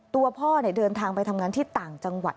ตัวพ่อเดินทางไปทำงานที่ต่างจังหวัด